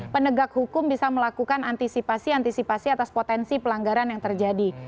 penegak hukum bisa melakukan antisipasi antisipasi atas potensi pelanggaran yang terjadi